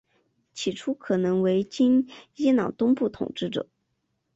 起初可能为今伊朗东部统治者。